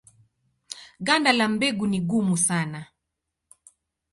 Ganda la mbegu ni gumu sana.